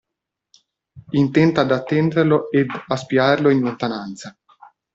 Intenta ad attenderlo ed a spiarlo in lontananza.